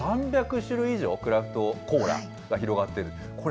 ３００種類以上、クラフトコーラが広がってる。